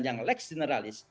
yang leks generalis